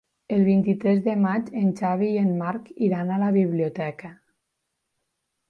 El vint-i-tres de maig en Xavi i en Marc iran a la biblioteca.